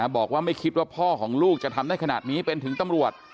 บอกว่าไม่คิดว่าพ่อของลูกจะทำได้ขนาดนี้เป็นถึงตำรวจ